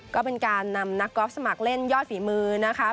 ก็เป็นการนำนักกอล์ฟสมัครเล่นยอดฝีมือนะคะ